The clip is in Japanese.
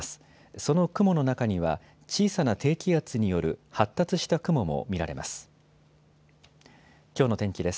その雲の中には小さな低気圧による発達した雲も見られます。